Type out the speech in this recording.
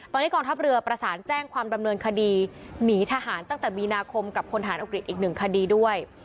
ตอนนี้กองทัพเรือประสานแจ้งความดำเนินคดีหนีทหารตั้งแต่มีนาคมกับพลฐานอังกฤษอีกหนึ่งคดีด้วย